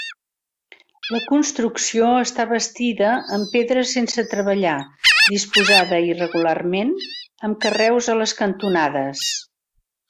La construcció està bastida en pedra sense treballar disposada irregularment, amb carreus a les cantonades.